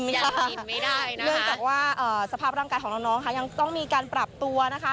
ไม่ได้กินไหมคะเรื่องจากว่าสภาพร่างกายของน้องค่ะยังต้องมีการปรับตัวนะคะ